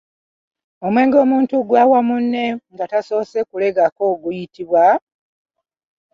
Omwenge omuntu gw'awa munne nga tasoose kulegako guyitibwa?